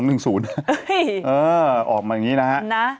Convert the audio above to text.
เออออกมาอย่างนี้นะฮะ